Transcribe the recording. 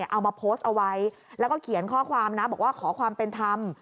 เอามาโพสต์เอาไว้แล้วก็เขียนข้อความนะบอกว่าขอความเป็นธรรม